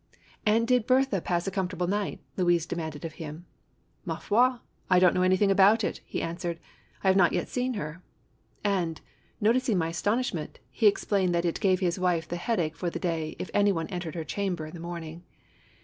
"And did Berthe pass a comfortable night?" Louise demanded of him. "Ma foi, I don't know anything about it!" he an swered. "I have not yet seen her!" And, noticing my astonishment, he explained that it gave his wife the headache for the day if any one entered her chamber in the morning.